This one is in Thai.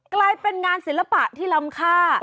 กลายเป็นงานศิลปะที่ล้ำค่า